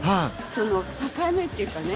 その境目っていうかね